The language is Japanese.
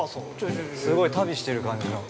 ◆すごい旅してる感じの。